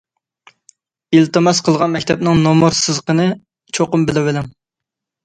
ئىلتىماس قىلغان مەكتەپنىڭ نومۇر سىزىقىنى چوقۇم بىلىۋېلىڭ.